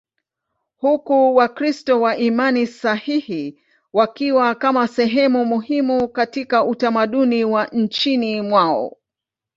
huku Wakristo wa imani sahihi wakiwa kama sehemu muhimu katika utamaduni wa nchini mwao.